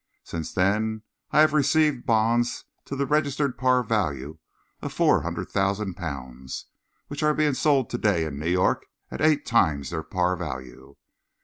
Since then I have received bonds to the registered par value of four hundred thousand pounds, which are being sold to day in New York at eight times their par value.